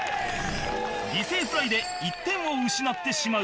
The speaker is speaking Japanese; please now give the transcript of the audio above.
犠牲フライで１点を失ってしまう